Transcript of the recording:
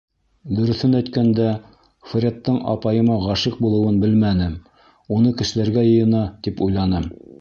Дөрөҫөн әйткәндә, Фредтың апайыма ғашиҡ булыуын белмәнем, уны көсләргә йыйына, тип уйланым.